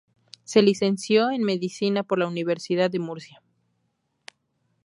Se licenció en Medicina por la Universidad de Murcia.